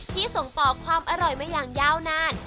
ส่งต่อความอร่อยมาอย่างยาวนาน